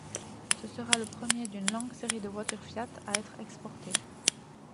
Ce sera le premier d'une longue série de voitures Fiat à être exportées.